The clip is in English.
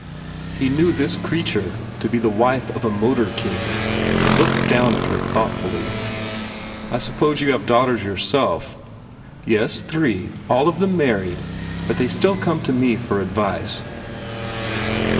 He knew this creature to be the wife of a motor king and looked down at her thoughtfully. "I suppose you have daughters, yourself?" "Yes, three. All of them married. But they still come to me for advice.